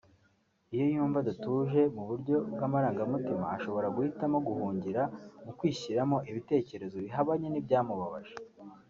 Iyo yumva adatuje mu buryo bw’amarangamutima ashobora guhitamo guhungira mu kwishyiramo ibitekerezo bihabanye n’ibyamubabaje